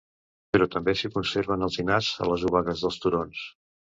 Però també s'hi conserven alzinars a les obagues dels turons.